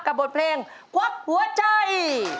บทเพลงควักหัวใจ